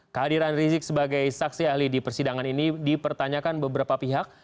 kehadiran rizik sebagai saksi ahli di persidangan ini dipertanyakan beberapa pihak